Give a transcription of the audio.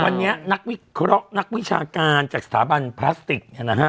ตอนนี้นักวิเคราะห์นักวิชาการจากสถาบันพลาสติก